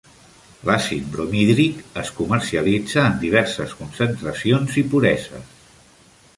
L'àcid bromhídric es comercialitza en diverses concentracions i pureses.